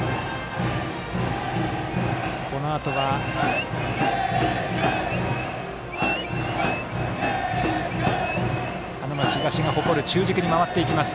このあとは花巻東の誇る中軸に回っていきます。